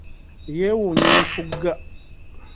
Yeewunnya entugga.